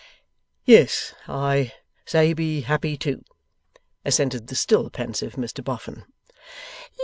'Yes. I say be happy, too,' assented the still pensive Mr Boffin.